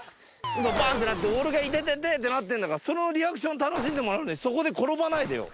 バンってなって俺が痛ててってなってんだからそのリアクション楽しんでもらうのにそこで転ばないでよ。